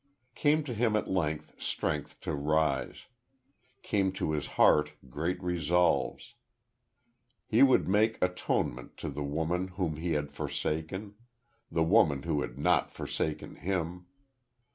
Came to him at length strength to rise. Came to his heart great resolves. He would make atonement to the woman whom he had forsaken the woman who had not forsaken him.